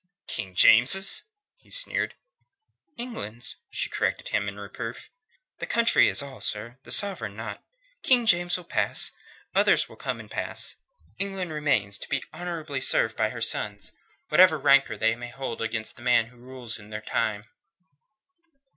"King James's?" he sneered. "England's," she corrected him in reproof. "The country is all, sir; the sovereign naught. King James will pass; others will come and pass; England remains, to be honourably served by her sons, whatever rancour they may hold against the man who rules her in their time."